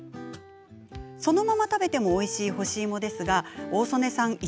そのまま食べてもおいしい干し芋ですが大曽根さん